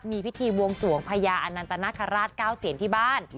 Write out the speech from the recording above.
มีพิธีบวงสวงพญาอนันตนาคาราช๙เสียนที่บ้าน